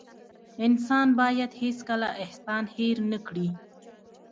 انسان بايد هيڅکله احسان هېر نه کړي .